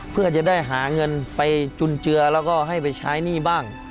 เพื่อจะได้หาเงินไปจุนเจือแล้วก็ให้ไปใช้หนี้บ้าง